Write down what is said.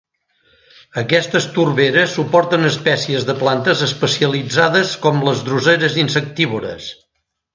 Aquestes torberes suporten espècies de plantes especialitzades com les dròseres insectívores.